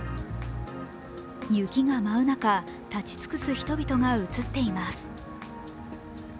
雪が舞う中、立ち尽くす人々が映っています。